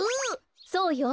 そうよ。